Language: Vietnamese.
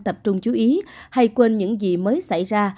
tập trung chú ý hay quên những gì mới xảy ra